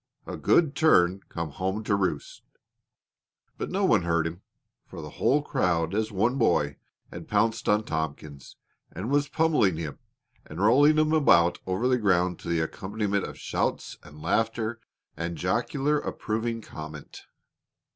"A good turn come home to roost!" But no one heard him, for the whole crowd, as one boy, had pounced on Tompkins and was pummeling him and rolling him about over the ground to the accompaniment of shouts and laughter and jocular, approving comment.